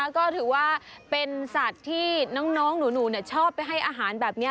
ก็ถือว่าเป็นสัตว์ที่น้องหนูชอบไปให้อาหารแบบนี้